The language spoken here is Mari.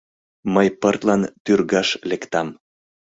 Мый пыртлан тӱргаш лектам.